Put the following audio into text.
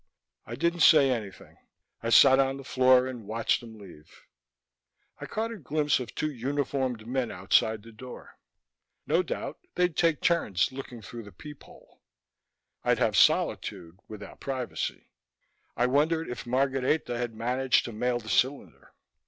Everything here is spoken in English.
I didn't say anything. I sat on the floor and watched him leave. I caught a glimpse of two uniformed men outside the door. No doubt they'd take turns looking through the peephole. I'd have solitude without privacy. I wondered if Margareta had managed to mail the cylinder.